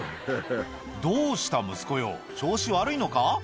「どうした息子よ調子悪いのか？」